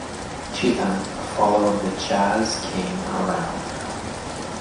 Cheatham followed the jazz King around.